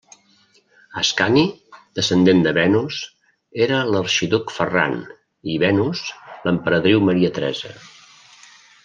Ascani, descendent de Venus, era l'arxiduc Ferran, i Venus, l'emperadriu Maria Teresa.